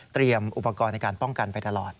อุปกรณ์ในการป้องกันไปตลอด